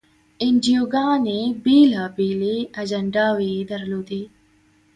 انجیوګانې بېلابېلې اجنډاوې یې درلودې.